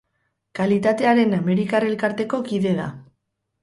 Kalitatearen Amerikar Elkarteko kide da.